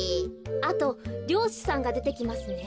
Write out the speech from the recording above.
あとりょうしさんがでてきますね。